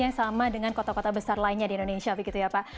yang sama dengan kota kota besar lainnya di indonesia begitu ya pak